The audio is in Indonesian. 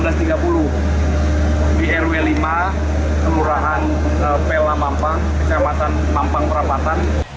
di rw lima kelurahan pelamampang kecamatan perabotan jakarta